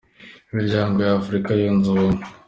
Imiryango ya Afurika yunze ububmwe.